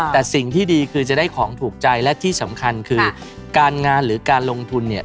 แต่สิ่งที่ดีคือจะได้ของถูกใจและที่สำคัญคือการงานหรือการลงทุนเนี่ย